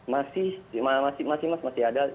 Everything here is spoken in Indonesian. masih mas masih ada